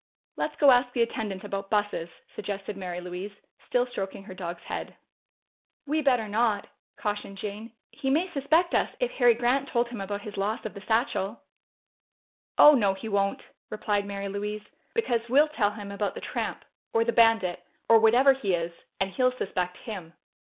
"Let's go ask the attendant about buses," suggested Mary Louise, still stroking her dog's head. "We better not!" cautioned Jane. "He may suspect us, if Harry Grant told him about his loss of the satchel." "Oh no, he won't," replied Mary Louise. "Because we'll tell him about the tramp, or the bandit, or whatever he is and he'll suspect him."